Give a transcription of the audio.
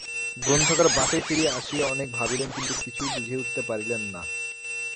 গ্রন্থকার বাসায় ফিরিয়া আসিয়া অনেক ভাবিলেন কিন্তু কিছুই বুঝিয়া উঠিতে পারিলেন না।